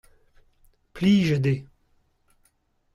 plijet eo.